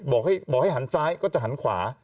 บอกให้หันซ้ายก็จะหันขวา